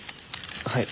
はい。